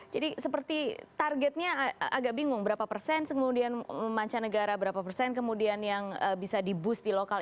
jadi seperti targetnya agak bingung berapa persen kemudian mancanegara berapa persen kemudian yang bisa di boost di lokal